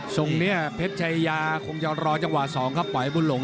ทรงนี้เพชรชัยยาคงจะรอจังหวะ๒เข้าไปบุหรง